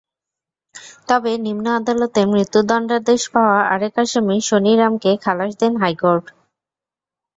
তবে নিম্ন আদালতে মৃত্যুদণ্ডাদেশ পাওয়া আরেক আসামি শনিরামকে খালাস দেন হাইকোর্ট।